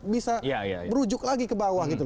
bisa merujuk lagi ke bawah gitu